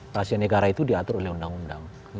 rahasia negara itu diatur oleh undang undang